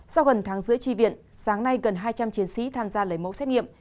sau gần tháng rưỡi tri viện sáng nay gần hai trăm linh chiến sĩ tham gia lấy mẫu xét nghiệm